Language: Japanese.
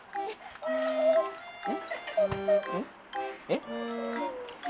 えっ？